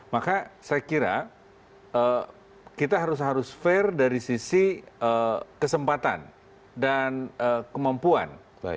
maka saya kira kita harus fair dari sisi kesempatan dan kemampuan